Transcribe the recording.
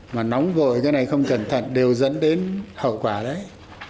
mà nóng vội cái này không cẩn thận đều dẫn đến hậu quả đấy